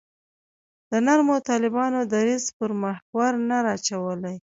د نرمو طالبانو دریځ پر محور نه راچورلي.